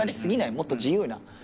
もっと自由な。